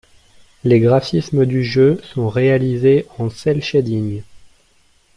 Les graphismes du jeu sont réalisés en cel-shading.